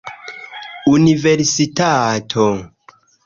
universitato